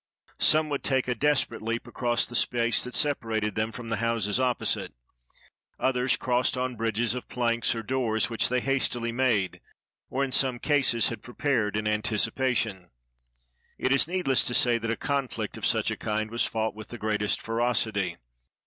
Some would take a desperate leap across the space that separated them from the houses opposite; others crossed on bridges of planks or doors which they hastily made, or, in some cases, had prepared in anticipation. It is needless to say that a conflict of such a kind was fought with the greatest ferocity.